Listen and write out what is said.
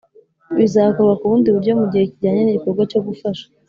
Bizakorwa ku bundi buryo mu gihe kijyanye n’igikorwa cyo gufasha